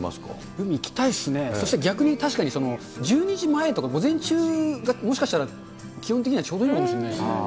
海行きたいですね、そして逆に確かに１２時前とか午前中がもしかしたら、気温的にはちょうどいいのかもしれないですね。